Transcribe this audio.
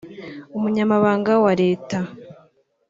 Umunyamabanga wa leta